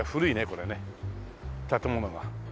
これね建物が。